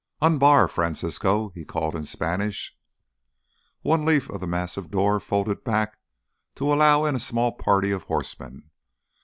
"Unbar, Francisco!" he called in Spanish. One leaf of the massive door folded back to allow in a small party of horsemen.